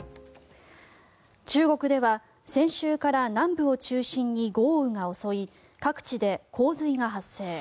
中国では先週から南部を中心に豪雨が襲い各地で洪水が発生。